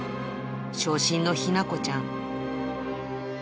傷心の日向子ちゃん。